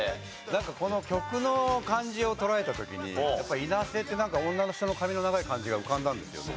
なんかこの曲の感じを捉えた時にやっぱり「いなせ」って女の人の髪の長い感じが浮かんだんですよね。